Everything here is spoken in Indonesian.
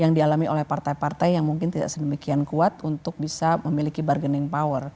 yang dialami oleh partai partai yang mungkin tidak sedemikian kuat untuk bisa memiliki bargaining power